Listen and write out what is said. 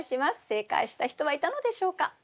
正解した人はいたのでしょうか？